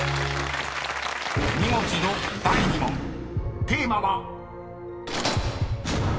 ［２文字の第２問テーマは］